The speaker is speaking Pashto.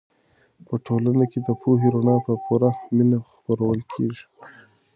په ټولنه کې د پوهې رڼا په پوره مینه خپرول کېږي.